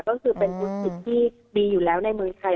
ก็คือเป็นธุรกิจที่ดีอยู่แล้วในเมืองไทย